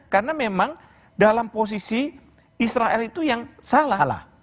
karena memang dalam posisi israel itu yang salah